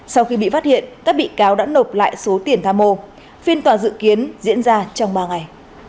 sau khi bị phát hiện các bị cáo đã nộp lại số tiền tham mô phiên tòa dự kiến diễn ra trong ba ngày